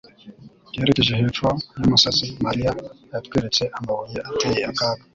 Yerekeje hepfo yumusozi, Mariya yatweretse amabuye ateye akaga